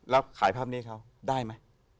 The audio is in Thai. แล้วขายภาพนี้เขาได้ไหม